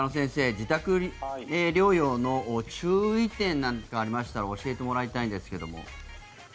自宅療養の注意点なんかありましたら教えてもらいたいんですが。